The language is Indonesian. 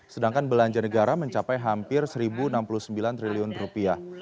sedangkan belanja negara mencapai hampir seribu enam puluh sembilan triliun rupiah